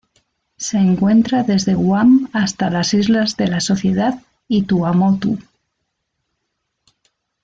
Se encuentra desde Guam hasta las Islas de la Sociedad y Tuamotu.